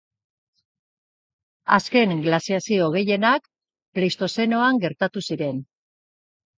Azken glaziazio gehienak Pleistozenoan gertatu ziren.